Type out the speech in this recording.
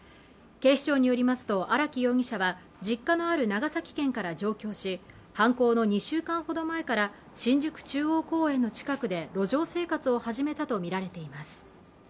警視庁によりますと荒木容疑者は実家のある長崎県から上京し犯行の２週間ほど前から新宿中央公園の近くで路上生活を始めたとみられています